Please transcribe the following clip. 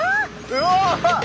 うわ！